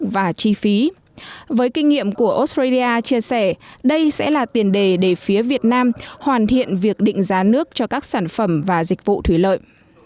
và chi phí với kinh nghiệm của australia chia sẻ đây sẽ là tiền đề để phía việt nam hoàn thiện việc định giá nước cho các sản phẩm và dịch vụ thủy lợi